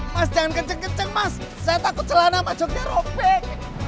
mas jangan kenceng kenceng mas saya takut celana maksudnya robek